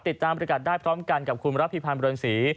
ติดตามประกาศได้พร้อมกันกับคุณรัฐพิพันธ์บริวัลสี